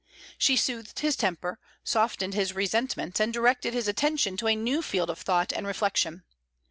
She soothed his temper, softened his resentments, and directed his attention to a new field of thought and reflection.